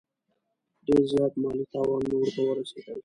ډېر زیات مالي تاوانونه ورته ورسېدل.